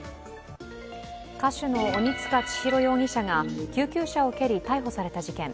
歌手の鬼束ちひろ容疑者が救急車を蹴り逮捕された事件。